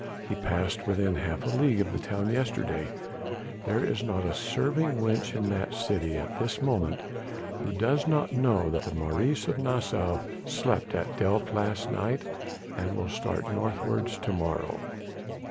He passed within half a league of the town yesterday; there is not a serving wench in that city at this moment who does not know that Maurice of Nassau slept at Delft last night and will start northwards to morrow."